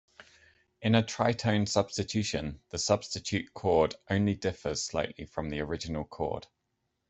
In a "tritone substitution", the substitute chord only differs slightly from the original chord.